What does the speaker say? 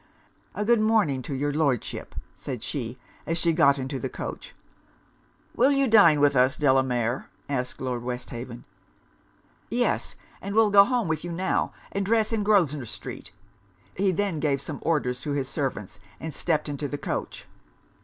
'A good morning to your Lordship,' said she, as she got into the coach. 'Will you dine with us, Delamere?' asked Lord Westhaven. 'Yes; and will go home with you now, and dress in Grosvenor street.' He then gave some orders to his servants, and stepped into the coach.